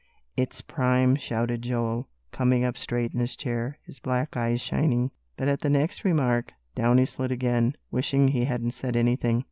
"It's prime!" shouted Joel, coming up straight in his chair, his black eyes shining. But at the next remark, down he slid again, wishing he hadn't said anything.